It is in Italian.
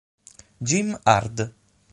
Jim Ard